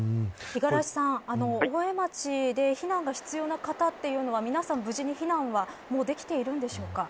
五十嵐さん、大江町で避難が必要な方というのは皆さん、無事に避難はできているんでしょうか。